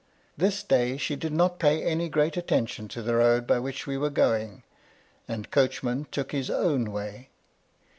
This day she did not pay any great attention to the road by which we were going, and Coachman took his own way.